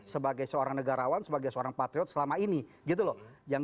sebagai seorang negarawan sebagai seorang patriot selama ini gitu loh